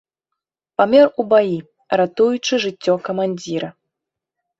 Памёр у баі, ратуючы жыццё камандзіра.